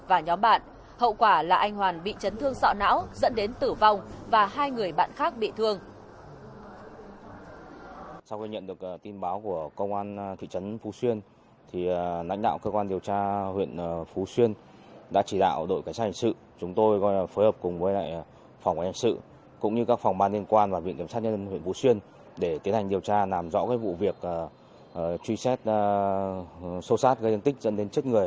và nhóm bạn hậu quả là anh hoàn bị chấn thương sọ não dẫn đến tử vong và hai người bạn khác bị thương